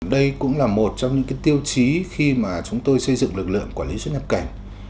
đây cũng là một trong những tiêu chí khi mà chúng tôi xây dựng lực lượng quản lý xuất nhập cảnh